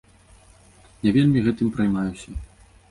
Не вельмі гэтым праймаюся.